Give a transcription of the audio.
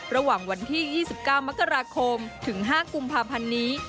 ระหว่างวันที่๒๙มกราคมถึง๕กุมภาพันธ์นี้